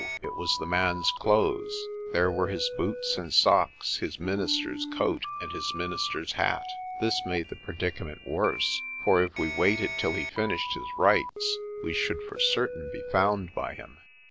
it was the man's clothes. There were his boots and socks, his minister's coat and his minister's hat. This made the predicament worse, for if we waited till he finished his rites we should for certain be found by him.